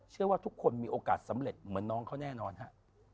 เชื่อว่าทุกคนมีโอกาสสำเร็จเหมือนน้องเขาแน่นอนฮะ